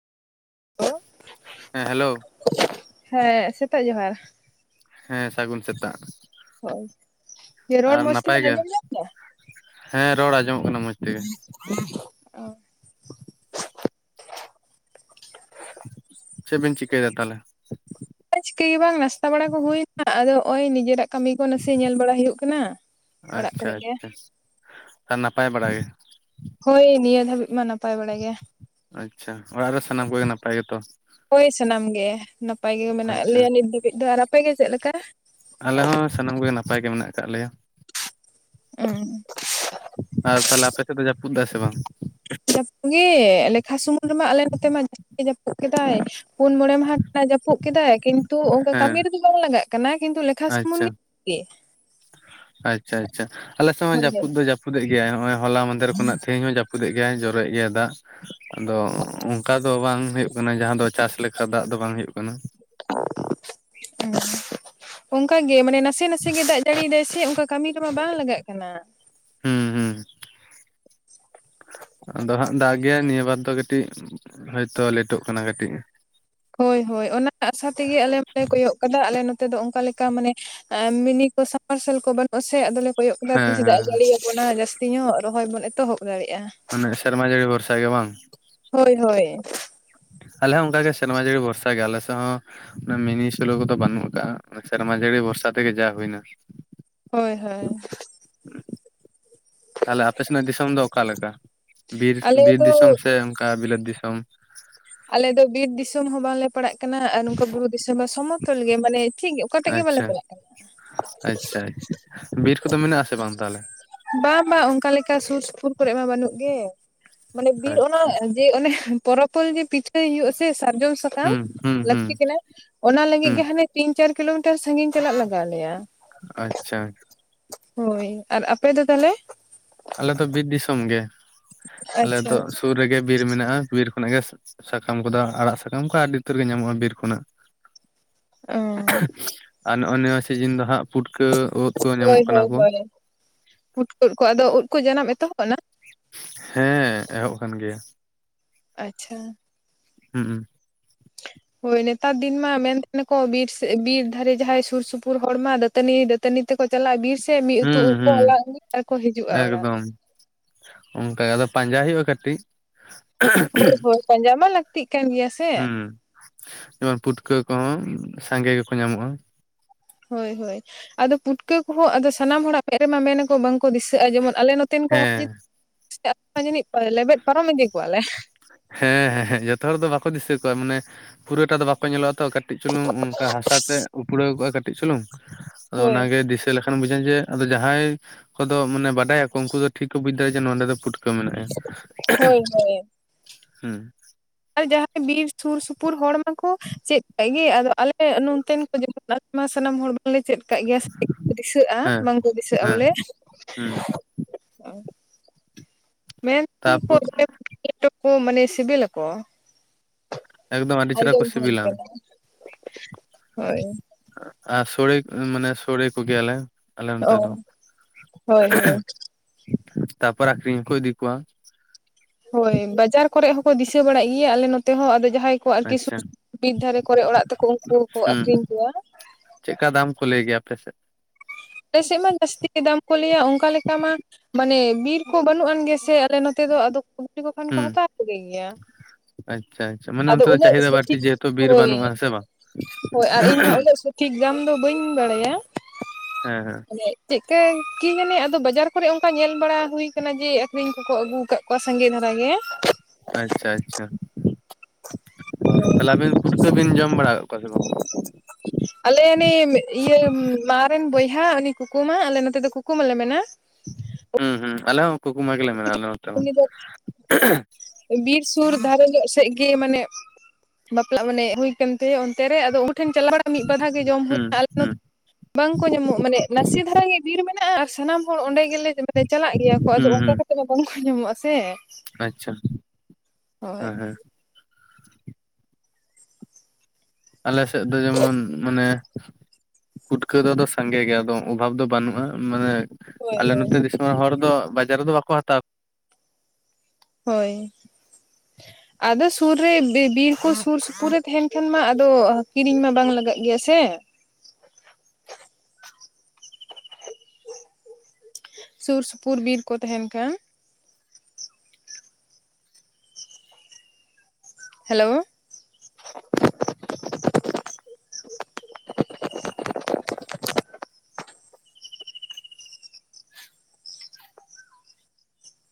ᱦᱮᱸ ᱦᱮᱞᱳ ᱦᱮᱸ ᱥᱮᱛᱟᱜ ᱡᱚᱦᱟᱨ ᱦᱮᱸ ᱥᱟᱹᱜᱩᱱ ᱥᱮᱛᱟᱜ᱾ ᱦᱳᱭ ᱡᱮ ᱨᱚᱲ ᱟᱨ ᱢᱚᱸᱡᱽ ᱱᱟᱯᱟᱭ ᱛᱮᱵᱮᱱ ᱜᱮ ᱟᱸᱡᱚᱢ ᱧᱟᱢ ᱮᱫᱟ? ᱦᱮᱸ ᱨᱚᱲ ᱟᱸᱡᱚᱢᱚᱜ ᱠᱟᱱᱟ ᱢᱚᱡᱽ [inaudible] ᱪᱮᱫ ᱵᱤᱱ ᱪᱤᱠᱟᱹᱭ ᱫᱟ ᱛᱟᱦᱚᱞᱮ? ᱪᱤᱠᱟᱹ ᱜᱮ ᱵᱟᱝ ᱱᱟᱥᱛᱟ ᱵᱟᱲᱟ ᱠᱚ ᱦᱩᱭ ᱠᱟᱱᱟ ᱟᱫᱚ ᱱᱚᱜᱼᱚᱭ ᱱᱤᱡᱮᱨᱟᱜ ᱠᱟᱹᱢᱤ ᱠᱚ ᱱᱟᱥᱮ ᱧᱮᱞ ᱵᱟᱲᱟ ᱦᱩᱭᱩᱜ ᱠᱟᱱᱟ ᱚᱲᱟᱜ ᱟᱪᱪᱷᱟ ᱠᱚᱨᱮ ᱜᱮ᱾ ᱟᱪᱪᱷᱟ ᱟᱨ ᱱᱟᱯᱟᱭ ᱵᱟᱲᱟ ᱜᱮ ᱦᱳᱭ ᱱᱤᱭᱟᱹ ᱫᱷᱵᱤᱡ ᱢᱟᱱᱟ ᱟᱪᱪᱷᱟ ᱚᱲᱟᱜ ᱨᱮ ᱥᱟᱱᱟᱢ ᱠᱚᱜᱮ ᱱᱟᱯᱟᱭ ᱜᱮᱛᱚ? ᱦᱳᱭ ᱥᱟᱱᱟᱢ ᱜᱮ ᱱᱟᱯᱟᱭ ᱜᱮ ᱢᱮᱱᱟᱜ ᱟᱪᱪᱷᱟ ᱞᱮᱭᱟ ᱱᱤᱛ ᱫᱷᱟᱹᱵᱤᱡ ᱫᱚ ᱟᱨ ᱟᱯᱮ ᱜᱮ ᱪᱮᱫ ᱞᱮᱠᱟ? ᱟᱞᱮ ᱦᱚᱸ ᱥᱟᱱᱟᱢ ᱠᱚᱜᱮ ᱱᱟᱯᱟᱭ ᱜᱮ ᱢᱮᱱᱟᱜ ᱟᱠᱟᱫ ᱞᱮᱭᱟ ᱮᱸ ᱟᱨ ᱛᱟᱦᱚᱞᱮ ᱟᱯᱮ ᱥᱮᱫ ᱫᱚ ᱡᱟᱹᱯᱩᱫ ᱫᱟᱭ ᱥᱮ ᱵᱟᱝ? ᱡᱟᱹᱯᱩᱫ ᱜᱮ ᱞᱮᱠᱷᱟ ᱥᱩᱢᱩᱝ ᱨᱮᱢᱟ ᱟᱞᱮ ᱱᱚᱛᱮ ᱢᱟ ᱡᱟᱹᱯᱩᱫ ᱠᱮᱫᱟᱭ ᱯᱩᱱ ᱢᱚᱬᱮ ᱢᱟᱦᱟ ᱠᱷᱚᱱᱟᱜ ᱡᱟᱹᱯᱩᱫ ᱠᱮᱫᱟᱭ ᱠᱤᱱᱛᱩ ᱚᱱᱠᱟ ᱦᱮᱸ ᱠᱟᱹᱢᱤ ᱨᱮᱫᱚ ᱵᱟᱝ ᱞᱟᱜᱟᱜ ᱠᱟᱱᱟ ᱠᱤᱱᱛᱩ ᱞᱮᱠᱷᱟ ᱥᱩᱢᱩᱝ ᱜᱮ ᱦᱮ ᱟᱪᱷᱟ ᱟᱪᱷᱟ ᱟᱞᱮ ᱥᱮᱫ ᱢᱟ ᱦᱳᱭ ᱦᱳᱭ ᱡᱟᱹᱯᱩᱫ ᱫᱚ ᱡᱟᱹᱯᱩᱫ ᱜᱮᱭᱟᱭ ᱱᱚᱜᱼᱚᱭ ᱦᱚᱞᱟ ᱢᱟᱦᱫᱮᱨ ᱠᱷᱚᱱᱟᱜ ᱛᱮᱦᱤᱧ ᱦᱚᱸ ᱡᱟᱹᱯᱩᱫ ᱨᱟᱹᱯᱩᱫᱮ ᱜᱮᱭᱟᱭ ᱡᱚᱨᱚᱭᱮᱫ ᱜᱮᱭᱟᱭ ᱫᱟᱜ ᱟᱫᱚ ᱚᱱᱠᱟ ᱫᱚ ᱵᱟᱝ ᱦᱩᱭᱩᱜ ᱠᱟᱱᱟ ᱡᱟᱦᱟᱸ ᱫᱚ ᱪᱟᱥ ᱞᱮᱠᱟ ᱫᱟᱜ ᱫᱚ ᱵᱟᱝ ᱦᱩᱭᱩᱜ ᱠᱟᱱᱟ᱾ [unintelligible] ᱦᱮᱸ ᱚᱱᱠᱟᱜᱮ ᱢᱟᱱᱮ ᱱᱟᱥᱮ ᱱᱟᱥᱮ ᱜᱮ ᱫᱟᱜ ᱡᱟᱹᱲᱤᱭᱫᱟᱭ ᱥᱮ ᱚᱱᱠᱟ ᱠᱟᱹᱢᱤ ᱨᱮᱢᱟ ᱵᱟᱝ ᱞᱟᱜᱟᱜ ᱠᱟᱱᱟ᱾ ᱦᱩᱸ ᱦᱩᱸ ᱟᱫᱚ ᱦᱟᱸᱜ ᱫᱟᱜ ᱜᱮᱭᱟ ᱱᱤᱭᱟᱹ ᱵᱟᱨ ᱫᱚ ᱠᱟᱹᱴᱤᱡ ᱦᱳᱭᱛᱳ ᱞᱮᱴᱚᱜ ᱠᱟᱱᱟ ᱠᱟᱹᱴᱤᱡ ᱦᱳᱭ ᱦᱳᱭ ᱚᱱᱟ ᱟᱥᱟ ᱛᱮᱜᱮ ᱟᱞᱮ ᱦᱚᱞᱮ ᱠᱚᱭᱚᱜ ᱠᱟᱫᱟ ᱟᱞᱮ ᱱᱚᱛᱮ ᱫᱚ ᱚᱱᱠᱟ ᱞᱮᱠᱟ ᱢᱟᱱᱮ ᱢᱤᱱᱤ ᱠᱚ ᱥᱟᱯᱢᱟᱥᱟᱞ ᱠᱚ ᱵᱟᱹᱱᱩᱜ ᱟᱥᱮ ᱟᱫᱚᱞᱮ ᱠᱚᱭᱚᱜ ᱠᱟᱱᱟ ᱦᱮᱸ ᱛᱤᱥ ᱫᱟᱜ ᱡᱟᱹᱲᱤ ᱟᱵᱚᱱᱟ ᱡᱟᱹᱥᱛᱤ ᱧᱚᱜ ᱨᱚᱦᱚᱭ ᱵᱚᱱ ᱮᱛᱚᱦᱚᱵ ᱫᱟᱲᱮᱭᱟᱜ-ᱟ᱾ ᱦᱮᱸ ᱥᱮᱨᱢᱟ ᱡᱟᱹᱲᱤ ᱵᱷᱚᱨᱥᱟ ᱜᱮ ᱵᱟᱝ ᱦᱳᱭ ᱦᱳᱭ᱾ ᱟᱞᱮ ᱦᱚᱸ ᱚᱱᱠᱟ ᱜᱮ ᱥᱮᱨᱢᱟ ᱡᱟᱹᱲᱤ ᱵᱷᱚᱨᱥᱟ ᱜᱮᱭᱟ ᱟᱞᱮ ᱥᱮ ᱦᱚᱸ ᱚᱱᱟ ᱢᱤᱱᱤ ᱥᱚᱞᱳ ᱠᱚᱫᱚ ᱵᱟᱹᱱᱩᱜ ᱟᱠᱟᱜ-ᱟ᱾ ᱥᱮᱨᱢᱟ ᱡᱟᱹᱲᱤ ᱵᱷᱚᱨᱥᱟ ᱛᱮᱜᱮ ᱡᱟ ᱦᱩᱭᱱᱟ᱾ ᱦᱳᱭ ᱦᱳᱭ ᱛᱟᱦᱚᱞᱮ ᱟᱯᱮ ᱥᱮᱱᱟᱜ ᱫᱤᱥᱚᱢ ᱫᱚ ᱚᱠᱟᱞᱮᱠᱟ ᱵᱤᱨ, ᱟᱞᱮ ᱵᱤᱨ ᱫᱚ ᱫᱤᱥᱚᱢ ᱥᱮ ᱚᱱᱠᱟ ᱵᱤᱞᱟᱹᱛ ᱫᱤᱥᱚᱢ ᱟᱞᱮ ᱫᱚ ᱵᱤᱨ ᱫᱤᱥᱚᱢ ᱦᱚᱸ ᱵᱟᱝᱞᱮ ᱯᱟᱲᱟᱜ ᱠᱟᱱᱟ ᱟᱨ ᱱᱚᱝᱠᱟ ᱵᱩᱨᱩ ᱫᱤᱥᱚᱢ ᱦᱚᱸ ᱥᱚᱢᱚᱛ [unintelligible] ᱜᱮ ᱢᱟᱱᱮ ᱴᱷᱤᱠ ᱚᱠᱟᱴᱮᱡ ᱜᱮ ᱵᱟᱞᱮ ᱟᱪᱪᱷᱟ ᱯᱟᱲᱟᱜ ᱠᱟᱱᱟ᱾ ᱟᱪᱪᱷᱟ ᱵᱤᱨ ᱠᱚᱫᱚ ᱢᱮᱱᱟᱜ ᱟᱥᱮ ᱵᱟᱝ ᱛᱟᱦᱚᱞᱮ ᱵᱟᱝ ᱵᱟᱝ ᱚᱱᱠᱟ ᱞᱮᱠᱟ ᱥᱩᱨ ᱥᱩᱯᱩᱨ ᱠᱚᱨᱮ ᱢᱟ ᱵᱟᱹᱱᱩᱜ ᱜᱮ ᱢᱟᱱᱮ ᱵᱤᱨ ᱚᱱᱟ ᱟᱪᱪᱷᱟ ᱡᱮ ᱚᱱᱮ ᱯᱚᱨᱚᱵ ᱯᱚᱨᱤ ᱯᱤᱴᱷᱟᱹᱦᱳᱭᱳᱜ-ᱟ ᱥᱮ ᱥᱟᱨᱡᱚᱢ ᱥᱟᱠᱟᱢ ᱦᱩᱸ ᱦᱩᱸ ᱦᱩᱸ ᱞᱟᱹᱠᱛᱤ ᱠᱟᱱᱟ᱾ ᱚᱱᱟ ᱞᱟᱹᱜᱤᱫ ᱦᱩᱸ ᱜᱮ ᱦᱟᱱᱮ ᱛᱤᱱ ᱪᱟᱨ ᱠᱤᱞᱳᱢᱤᱴᱟᱨ ᱥᱟᱹᱜᱤᱧ ᱪᱟᱞᱟᱜ ᱞᱟᱜᱟᱣ ᱞᱮᱭᱟ᱾ ᱟᱪᱪᱷᱟ ᱦᱳᱭ ᱟᱨ ᱟᱯᱮ ᱫᱚ ᱛᱟᱦᱚᱞᱮ ᱟᱞᱮ ᱫᱚ ᱵᱤᱨ ᱫᱤᱥᱚᱢ ᱜᱮ ᱟᱞᱮ ᱟᱪᱪᱷᱟ ᱫᱚ ᱥᱩᱨ ᱨᱮᱜᱮ ᱵᱤᱨ ᱢᱮᱱᱟᱜ-ᱟ ᱵᱤᱨ ᱠᱷᱚᱱᱟᱜ ᱜᱮ ᱥᱟᱠᱟᱢ ᱠᱚᱫᱚ ᱟᱲᱟᱜ ᱥᱟᱠᱟᱢ ᱠᱚ ᱟᱹᱰᱤ ᱩᱛᱟᱹᱨ ᱜᱮ ᱧᱟᱢᱚᱜ-ᱟ ᱵᱤᱨ ᱠᱷᱚᱱᱟᱜ᱾ ᱚ ᱟᱨ ᱱᱚᱜ-ᱚᱭ ᱱᱚᱣᱟ ᱥᱤᱡᱤᱱ ᱫᱚ ᱦᱟᱸᱜ ᱯᱩᱴᱠᱟᱹ ᱩᱫ ᱠᱚ ᱧᱟᱢᱚᱜ ᱠᱟᱱᱟ ᱠᱚ᱾ ᱯᱩᱴᱠᱟᱹ ᱩᱫ ᱟᱫᱚ ᱩᱫ ᱠᱚ ᱡᱟᱱᱟᱢ ᱮᱛᱚᱦᱚᱵ ᱱᱟ᱾ ᱦᱮᱸ ᱮᱦᱚᱵ ᱠᱟᱱ ᱜᱮᱭᱟ᱾ ᱟᱪᱪᱷᱟ᱾ ᱦᱩᱸ ᱦᱳᱭ ᱱᱮᱛᱟᱨ ᱫᱤᱱ ᱢᱟ ᱢᱮᱱ ᱛᱟᱦᱮᱱᱟᱠᱚ ᱵᱤᱨ ᱵᱤᱨ ᱫᱷᱟᱨᱮ ᱡᱟᱦᱟᱸᱭ ᱥᱩᱨ ᱥᱩᱯᱩᱨ ᱦᱚᱲ ᱢᱟ ᱫᱟᱹᱛᱟᱹᱱᱤ ᱫᱟ. ᱫᱟᱹᱛᱟᱹᱱᱤ ᱛᱮᱠᱚ ᱪᱟᱞᱟᱜ-ᱟ ᱵᱤᱨ ᱥᱮᱫ, ᱢᱤᱫ ᱩᱛᱩ ᱦᱩᱸ ᱩᱵ ᱠᱚ ᱦᱩᱸ ᱦᱟᱞᱟᱝ ᱟᱜᱩᱭᱟ ᱟᱨ ᱠᱚ ᱦᱤᱡᱩᱜ-ᱟ ᱚᱲᱟᱜ᱾ ᱮᱠᱫᱚᱢ ᱚᱱᱠᱟ ᱜᱮ ᱟᱫᱚ ᱯᱟᱸᱡᱟ ᱦᱩᱭᱩᱜ-ᱟ ᱠᱟᱹᱴᱤᱡ᱾ ᱯᱟᱸᱡᱟᱢᱟ ᱞᱟᱹᱠᱛᱤᱜ ᱠᱟᱱ ᱜᱮᱭᱟ᱾ ᱥᱮ ᱦᱩᱸ ᱡᱮᱢᱚᱱ ᱯᱩᱴᱠᱟᱹ ᱠᱚᱦᱚᱸ ᱥᱟᱸᱜᱮ ᱜᱮᱠᱚ ᱧᱟᱢᱚᱜᱼᱟ᱾ ᱦᱳᱭ ᱦᱳᱭ ᱟᱫᱚ ᱯᱩᱴᱠᱟᱹ ᱠᱚᱦᱚᱸ ᱟᱫᱚ ᱥᱟᱱᱟᱢ ᱦᱚᱲᱟᱜ ᱢᱮᱫ ᱨᱮ ᱢᱟ ᱢᱮᱱᱟᱠᱚ ᱵᱟᱝ ᱠᱚ ᱫᱤᱥᱟᱹᱜᱼᱟ ᱡᱮᱢᱚᱱ ᱟᱞᱮ ᱱᱚ ᱱᱚᱛᱮᱱ ᱠᱚ ᱦᱚᱲ ᱦᱮᱸ ᱡᱟᱹᱱᱤᱡ ᱞᱮᱵᱮᱫ ᱯᱟᱨᱚᱢ ᱤᱫᱤ ᱠᱚᱣᱟᱞᱮ᱾ ᱦᱮᱸ ᱦᱮᱸ ᱦᱮᱸ ᱡᱷᱚᱛᱚ ᱦᱚᱲ ᱫᱚ ᱵᱟᱠᱚ ᱫᱤᱥᱟᱹ ᱠᱚᱣᱟ ᱢᱟᱱᱮ ᱯᱩᱨᱟᱹᱴᱟ ᱫᱚ ᱵᱟᱠᱚ ᱧᱮᱞᱚᱜᱼᱟ ᱛᱚ ᱠᱟᱹᱴᱤᱡ ᱪᱩᱞᱩᱝ ᱚᱱᱠᱟ ᱦᱟᱥᱟᱛᱮ ᱩᱯᱲᱟᱹᱣ ᱠᱚᱜᱼᱟ ᱠᱟᱹᱴᱤᱡ ᱪᱩᱞᱩᱝ ᱟᱫᱚ ᱦᱳᱭ ᱚᱱᱟᱜᱮ ᱪᱮᱫ ᱞᱮᱠᱷᱟᱱ ᱵᱩᱡ ᱡᱮ ᱟᱫᱚ ᱡᱟᱦᱟᱸᱭ ᱠᱚᱫᱚ ᱢᱟᱱᱮ ᱵᱟᱰᱟᱭᱟ ᱠᱚ ᱩᱱᱠᱩ ᱫᱚ ᱴᱷᱤᱠ ᱠᱚ ᱵᱩᱡ ᱫᱟᱲᱮᱭᱟᱜ ᱡᱮ ᱱᱚᱰᱮ ᱫᱚ ᱯᱩᱴ ᱦᱳᱭ ᱦᱳᱭ ᱦᱩᱸ ᱟᱨ ᱡᱟᱦᱟᱸᱭ ᱵᱤᱨ ᱥᱩᱨ ᱥᱩᱯᱩᱨ ᱦᱚᱲ ᱫᱚᱠᱚ ᱪᱮᱫ ᱠᱮᱫ ᱜᱮ ᱟᱫᱚ ᱟᱞᱮ ᱦᱮᱸ ᱱᱚᱛᱮᱱ ᱠᱚ ᱡᱮᱢᱚᱱ ᱟᱭᱢᱟ ᱥᱟᱱᱟᱢ ᱦᱚᱲ ᱠᱚᱞᱮ ᱪᱮᱫ ᱠᱚ ᱠᱟᱜ ᱜᱮᱭᱟ ᱫᱤᱥᱟᱹᱜᱼᱟ ᱦᱮᱸ ᱵᱟᱝᱠᱚ ᱫᱤᱥᱟᱹᱜᱼᱟ ᱦᱮᱸ ᱵᱚᱞᱮ ᱦᱮᱸ ᱢᱮᱱ ᱛᱟᱯᱚᱨ ᱞᱮᱴᱚ [unintelligible] ᱢᱟᱱᱮ ᱥᱤᱵᱤ ᱞᱟᱠᱚ ᱮᱠᱫᱚᱢ ᱟᱹᱰᱤ ᱪᱮᱦᱨᱟ ᱠᱚ ᱟᱸᱡᱚᱢ ᱦᱚᱭ ᱥᱤᱵᱤᱞᱟ ᱠᱟᱱᱟ ᱦᱚᱭ ᱟᱨ ᱥᱚᱲᱮ ᱢᱟᱱᱮ ᱥᱚᱲᱮ ᱠᱚ ᱜᱮᱭᱟᱞᱮ ᱟᱞᱮ ᱱᱚᱛᱮ ᱚ ᱫᱚ ᱦᱳᱭ ᱦᱳᱭ ᱛᱟᱯᱚᱨᱮ ᱟᱠᱷᱨᱤᱧ ᱦᱩᱸᱠᱩ ᱤᱫᱤ ᱠᱚᱣᱟ᱾ ᱦᱳᱭ ᱵᱟᱡᱟᱨ ᱠᱚᱨᱮ ᱦᱚᱸ ᱠᱚᱜ ᱫᱤᱥᱟᱹᱜ ᱵᱟᱲᱟᱜ ᱜᱤᱭᱟ ᱟᱞᱮ ᱱᱚᱛᱮ ᱦᱚᱸ ᱟᱫᱚ ᱡᱟᱦᱟᱸᱭ ᱟᱨ ᱠᱤ ᱥᱩ ᱟᱪᱪᱷᱟ ᱵᱤᱨ ᱫᱷᱟᱨᱮ ᱠᱚᱨᱮ ᱚᱲᱟᱜ ᱛᱟᱠᱚ ᱩᱱᱠᱩ ᱠᱚ ᱟᱠᱷᱨᱤᱧ ᱠᱚᱣᱟ᱾ ᱪᱮᱫ ᱠᱟ ᱫᱟᱢ ᱠᱚ ᱞᱟᱹᱭ ᱜᱮᱭᱟ ᱟᱯᱮ ᱥᱮᱫ? ᱟᱞᱮ ᱥᱮᱫ ᱢᱟ ᱡᱟᱹᱥᱛᱤ ᱫᱟᱢ ᱠᱚ ᱞᱟᱹᱭᱟ ᱚᱱᱠᱟ ᱞᱮᱠᱟ ᱢᱟᱼᱼ ᱢᱟᱱᱮ ᱵᱤᱨ ᱠᱚ ᱵᱟᱹᱱᱩᱜ ᱟᱱ ᱜᱮ ᱥᱮ ᱟᱞᱮ ᱱᱚᱛᱮ ᱫᱚ ᱤᱫᱤ ᱠᱚ ᱠᱷᱟᱱ ᱠᱚ ᱦᱩᱸ ᱦᱟᱛᱟᱣ ᱠᱚ ᱜᱮ ᱜᱮᱭᱟ᱾ ᱟᱪᱪᱷᱟ ᱟᱪᱪᱷᱟ ᱢᱟᱱᱮ ᱟᱫᱚ ᱚᱱᱛᱮ ᱫᱚ ᱩᱱᱟᱹᱜ ᱪᱟᱦᱤᱫᱟ ᱵᱟᱹᱲᱛᱤ ᱥᱚᱴᱷᱤᱠ ᱡᱮᱦᱮᱛᱩ ᱵᱤᱨ ᱦᱳᱭ, ᱵᱟᱹᱱᱩᱜᱼᱟ ᱦᱮᱸ ᱥᱮ ᱵᱟᱝ ᱦᱚᱭ ᱟᱨ ᱤᱧ ᱢᱟ ᱩᱱᱟᱹᱜ ᱥᱚᱼᱼ ᱴᱷᱤᱠ ᱜᱟᱢ ᱫᱚ ᱵᱟᱹᱧ ᱵᱟᱲᱟᱭᱟ᱾ ᱦᱮᱸ ᱦᱮᱸ᱾ ᱪᱮᱫ ᱠᱤ ᱡᱟᱱᱮ ᱟᱫᱚ ᱵᱟᱡᱟᱨ ᱠᱚᱨᱮ ᱚᱱᱠᱟ ᱧᱮᱞ ᱵᱟᱲᱟ ᱦᱩᱭ ᱠᱟᱱᱟ ᱡᱮ ᱟᱠᱷᱨᱤᱧ ᱠᱚᱠᱚ ᱟᱹᱜᱩ ᱠᱟᱜᱼᱼ ᱠᱚᱣᱟ ᱥᱟᱸᱜᱮ ᱫᱷᱟᱨᱟ ᱜᱮ᱾ ᱟᱪ ᱪᱷᱟ ᱟᱪ ᱪᱷᱟ ᱦᱳᱭ ᱛᱟᱞᱦᱮ ᱟᱵᱤᱱ ᱯᱷᱩᱴᱠᱟᱹ ᱵᱤᱱ ᱡᱚᱢ ᱵᱟᱲᱟ ᱠᱟᱜ ᱠᱚᱣᱟ ᱥᱮ ᱵᱟᱝ? ᱟᱞᱮ ᱱᱤᱢ ᱤᱭᱟᱹ ᱢᱟ ᱨᱤᱱ ᱵᱚᱭᱦᱟ ᱩᱱᱤ ᱠᱩᱠᱩᱢᱟ ᱟᱞᱮ ᱱᱚᱛᱮ ᱫᱚ ᱠᱩᱠᱩᱢᱟ ᱞᱮ ᱢᱮᱱᱟ ᱦᱩᱸ ᱦᱩᱸ ᱟᱞᱮ ᱦᱚᱸ ᱠᱩᱠᱩᱢᱟ ᱜᱮᱞᱮ ᱢᱮᱱᱟ ᱟᱞᱮ ᱦᱚᱸ᱾ ᱩᱱᱤ ᱫᱚ ᱵᱤᱨ ᱥᱩᱨ ᱫᱷᱟᱨᱮ ᱧᱚᱜ ᱥᱮᱜ ᱜᱮ ᱢᱟᱱᱮ ᱵᱟᱯᱞᱟᱜ ᱢᱟᱱᱮ ᱦᱩᱭ ᱠᱟᱱ ᱛᱟᱭᱟ ᱚᱱᱛᱮ ᱨᱮ ᱟᱫᱚ ᱩᱱᱠᱩ ᱴᱷᱮᱱ ᱪᱟᱞᱟᱣ ᱢᱤᱫ ᱵᱟᱫᱷᱟᱣ ᱜᱮ ᱡᱚᱢ ᱦᱩᱭ ᱦᱩᱸ ᱱᱟ ᱟᱞᱮ ᱱᱚᱛ ᱦᱩᱸ ᱵᱟᱝ ᱠᱚ ᱧᱟᱢᱚᱜ-ᱟ ᱢᱟᱱᱮ ᱱᱟᱥᱮ ᱫᱷᱟᱨᱟ ᱜᱮ ᱵᱤᱨ ᱢᱮᱱᱟᱜ-ᱟ ᱟᱨ ᱥᱟᱱᱟᱢ ᱦᱚᱲ ᱚᱸᱰᱮ ᱜᱮᱞᱮ ᱡᱮᱸᱵᱮᱜ ᱪᱟᱞᱟᱜ ᱜᱮᱭᱟ ᱠᱚ ᱟᱫᱚ ᱦᱩᱸ ᱚᱱᱠᱟ ᱠᱟᱛᱮᱜ ᱢᱟ ᱵᱟᱝᱠᱩ ᱧᱟᱢᱚᱜ-ᱟ ᱥᱮ ᱾ ᱟᱪ ᱪᱷᱟ ᱦᱮᱸ ᱦᱮᱸ᱾ ᱟᱞᱮ ᱥᱮᱫ ᱫᱚ ᱡᱮᱢᱚᱱ ᱢᱟᱱᱮ ᱯᱩᱴᱠᱟᱹ ᱫᱚ ᱟᱫᱚ ᱥᱟᱸᱜᱮ ᱜᱮᱭᱟ ᱟᱫᱚ ᱚᱵᱷᱟᱵᱽ ᱫᱚ ᱵᱟᱱᱩᱜ-ᱟ ᱢᱟᱱᱮ ᱦᱳᱭ ᱟᱞᱮ ᱦᱳᱭ ᱱᱚᱛᱮ ᱫᱤᱥᱚᱢ ᱨᱮᱱ ᱦᱚᱲ ᱫᱚ ᱵᱟᱡᱟᱨ ᱨᱮᱫᱚ ᱵᱟᱠᱚ ᱦᱟᱛᱟᱣ ᱦᱚᱭ [inaudible] ᱟᱫᱚ ᱥᱩᱨ ᱨᱮ ᱵᱤ ᱵᱤᱨ ᱠᱚ ᱥᱩᱨ ᱥᱩᱯᱩᱨ ᱨᱮ ᱛᱮᱦᱮᱱ ᱠᱷᱟᱱ ᱢᱟ ᱟᱫᱚ ᱚ ᱠᱤᱨᱤᱧ ᱢᱟ ᱵᱟᱝ ᱞᱟᱜᱟᱜ ᱜᱤᱭᱟ ᱥᱮ᱾ ᱥᱩᱨ ᱥᱩᱯᱩᱨ ᱵᱤᱨ ᱠᱚ ᱛᱟᱦᱮᱱ ᱠᱷᱟᱱ ᱦᱮᱞᱚᱣ᱾